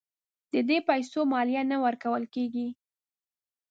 د دې پیسو مالیه نه ورکول کیږي.